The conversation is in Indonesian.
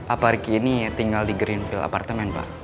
apa riki ini tinggal di greenfill apartemen pak